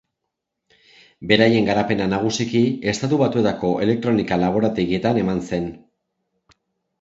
Beraien garapena nagusiki Estatu Batuetako elektronika laborategietan eman zen.